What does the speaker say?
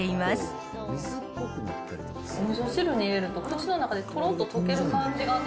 おみそ汁に入れると口の中でとろっと溶ける感じがね。